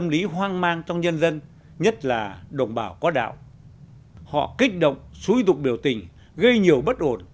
đồng bào quá đạo họ kích động xúi dụng biểu tình gây nhiều bất ổn